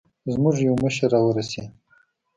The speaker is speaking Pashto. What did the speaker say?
زموږ يو مشر راورسېد.